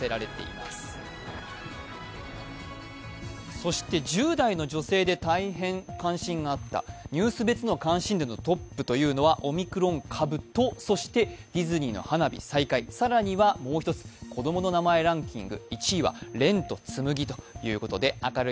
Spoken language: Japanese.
そして１０代の女性で大変関心があった、ニュース別の関心度のトップというのはオミクロン株とそしてディズニーの花火再開、更には、もう一つ、こどもの名前ランキング